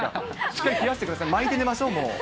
しっかり冷やしてください、まいて寝ましょう、もう。